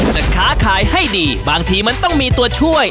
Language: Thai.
จะค้าขายให้ดีบางทีมันต้องมีตัวช่วย